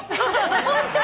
ホントに。